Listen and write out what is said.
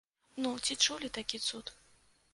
Ну, ці чулі такі цуд?